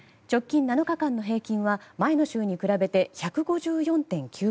直近７日間の平均は前の週に比べて１５４．９％です。